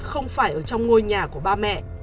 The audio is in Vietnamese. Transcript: không phải ở trong ngôi nhà của ba mẹ